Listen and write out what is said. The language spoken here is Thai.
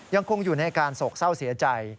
ยังคงอยู่ในอาการโศกเศร้าเสียใจ